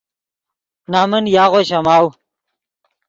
نَمن یاغو شَماؤ